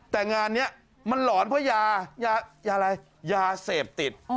แต่งานนี้มันหลอนเพราะยายาอะไรยาเสพติด